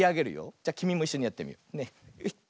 じゃあきみもいっしょにやってみよう。